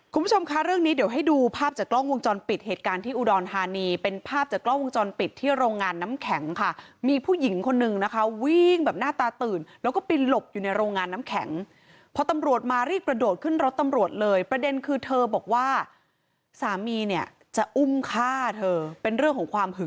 คุณผู้ชมคะเรื่องนี้เดี๋ยวให้ดูภาพจากกล้องวงจรปิดเหตุการณ์ที่อุดรธานีเป็นภาพจากกล้องวงจรปิดที่โรงงานน้ำแข็งค่ะมีผู้หญิงคนนึงนะคะวิ่งแบบหน้าตาตื่นแล้วก็ไปหลบอยู่ในโรงงานน้ำแข็งพอตำรวจมารีบกระโดดขึ้นรถตำรวจเลยประเด็นคือเธอบอกว่าสามีเนี่ยจะอุ้มฆ่าเธอเป็นเรื่องของความหึ